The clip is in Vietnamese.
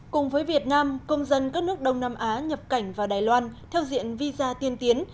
cùng với việt nam công dân các nước đông nam á nhập cảnh vào đài loan theo diện visa tiên tiến